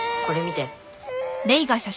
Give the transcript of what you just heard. これ見て。